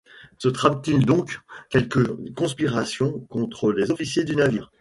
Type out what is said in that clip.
Se trame-t-il donc quelque conspiration contre les officiers du navire ?